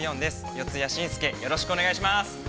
四谷真佑よろしくお願いします！